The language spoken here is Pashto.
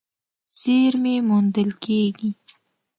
زېرمې موندل کېږي.